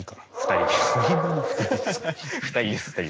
２人です。